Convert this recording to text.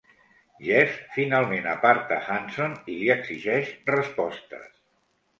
Jeff finalment aparta Hanson i li exigeix respostes.